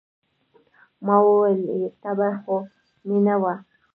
ما وويل يه تبه خو مې نه وه.